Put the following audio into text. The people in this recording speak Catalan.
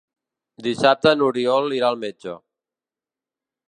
Dissabte n'Oriol irà al metge.